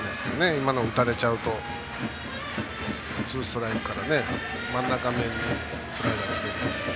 今のを打たれちゃうとツーストライクから真ん中辺にスライダーしていく。